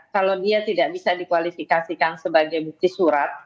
kalau dia tidak bisa dikualifikasikan sebagai bukti surat